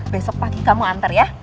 besok pagi kamu antar ya